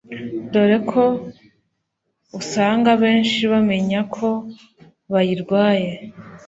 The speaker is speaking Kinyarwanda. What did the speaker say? dore ko usanga abenshi bamenya ko bayirwaye